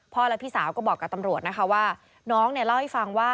และพี่สาวก็บอกกับตำรวจนะคะว่าน้องเนี่ยเล่าให้ฟังว่า